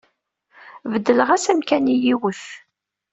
Beddleɣ-as amkan i yiwet.